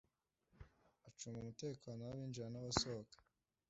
Acunga umutekeno w’ abinjira n abasohoka